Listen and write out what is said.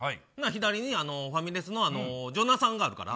左にファミレスのジョナサンがあるから。